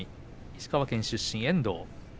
石川県出身の遠藤。